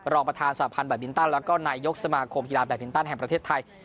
รองประธานสาพันธ์แบบบินตันแล้วก็นายยกสมาคมกีฬาแบตมินตันแห่งประเทศไทย